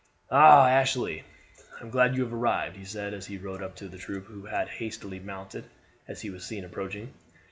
"Ah! Ashley, I am glad you have arrived," he said, as he rode up to the troop, who had hastily mounted as he was seen approaching.